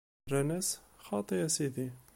Rran-as: Xaṭi a Sidi!